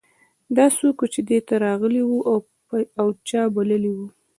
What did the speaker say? دا څوک و چې دې ته راغلی و او چا بللی و